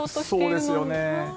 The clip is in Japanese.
そうですよね。